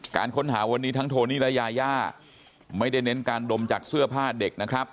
การค้นหาวันนี้ทั้งโทนี่และยาย่าไม่ได้เน้นการดมจากเสื้อผ้าเด็กนะครับ